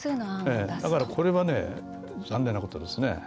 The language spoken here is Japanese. だから、これは残念なことですね。